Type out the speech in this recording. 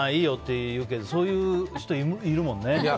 もうって思うけどそういう人いるもんね。